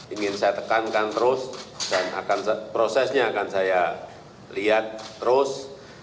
ingin saya tekankan terus dan prosesnya akan saya lihat terus